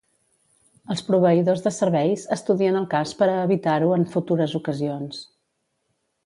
Els proveïdors de serveis estudien el cas per a evitar-ho en futures ocasions.